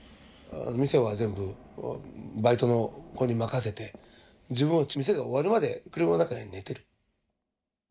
店は全部バイトの子に任せて自分は店が終わるまで車の中で寝てる。